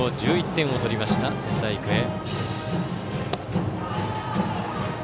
１１点を取りました、仙台育英。